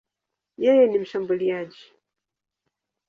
Yeye ni mshambuliaji.